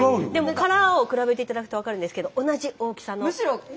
殻を比べて頂くと分かるんですけど同じ大きさの。